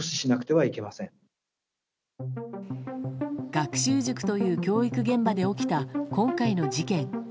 学習塾という教育現場で起きた今回の事件。